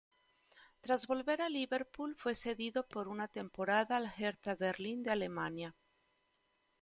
Tras volver a Liverpool, fue cedido por una temporada al Hertha Berlín de Alemania.